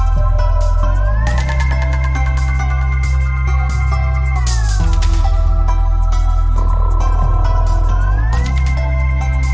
โปรดติดตามต่อไป